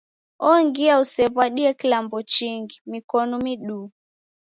Ongia usew'adie kilambo chingi, mikonu miduu.